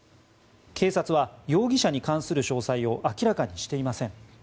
警察は、容疑者に関する詳細を明らかにしていません。